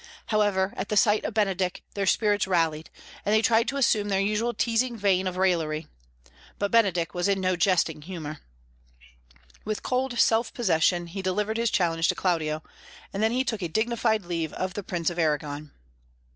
However, at the sight of Benedick their spirits rallied, and they tried to assume their usual teasing vein of raillery. But Benedick was in no jesting humour. With cold self possession he delivered his challenge to Claudio, and then he took a dignified leave of the Prince of Arragon.